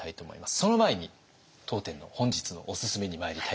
その前に当店の本日のおすすめにまいりたいと思います。